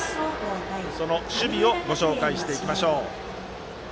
その守備をご紹介していきましょう。